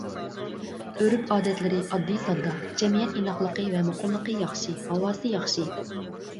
ئۆرپ-ئادەتلىرى ئاددىي-ساددا، جەمئىيەت ئىناقلىقى ۋە مۇقىملىقى ياخشى، ھاۋاسى ياخشى.